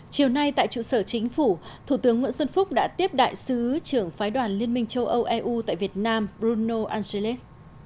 chiều nay tại trụ sở chính phủ thủ tướng nguyễn xuân phúc đã tiếp đại sứ trưởng phái đoàn liên minh châu âu eu tại việt nam bruno angeles